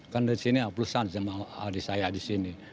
kan di sini aplusan sama adik saya di sini